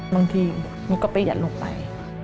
บางทีมันก็ประหยัดลงไป